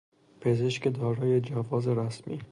پزشک دارای جواز رسمی